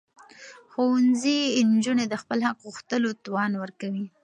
ښوونځي نجونې د خپل حق غوښتلو توان ورکوي.